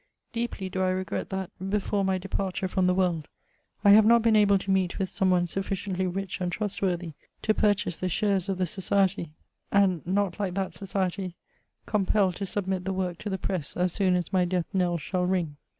Deeply do I regret that, before my departure from the world, I have not been able to meet wi^ some one sufficiently rich and trustworthy to purchase the shares of the.iS&cte^y; and j> 2 36 MEMOIRS OF not like that society, compelled to submit the work to the press as soon as my death knell shall ring.